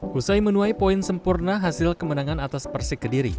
hussain menuai poin sempurna hasil kemenangan atas persik ke diri